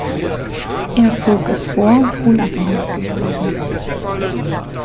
Er zog es vor, unabhängig zu bleiben.